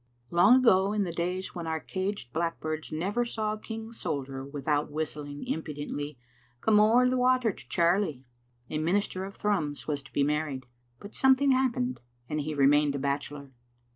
Long ago, iu the days when our caged blackbirds never saw a king's soldier without whistling impudently, " Come ower the water to Charlie, " a minister of Thrums was to be married, but something happened, and he re mained a bachelor.